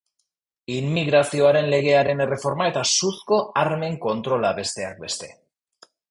Immigrazioaren legearen erreforma eta suzko armen kontrola, besteak beste.